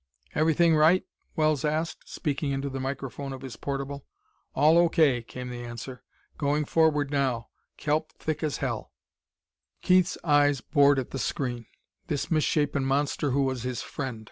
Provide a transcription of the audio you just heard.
"Everything right?" Wells asked, speaking into the microphone of his portable. "All O.K.," came the answer. "Going forward now. Kelp thick as hell." Keith's eyes bored at the screen. This misshapen monster who was his friend!